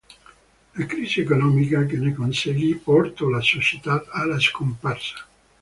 La crisi economica che ne conseguì portò la società alla scomparsa.